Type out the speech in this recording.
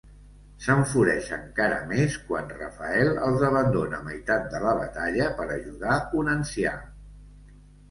S'enfureix encara més quan Rafael els abandona a meitat de la batalla per ajudar un ancià.